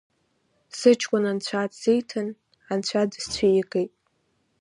Сыҷкәын Анцәа дсиҭан, Анцәа дысцәигеит.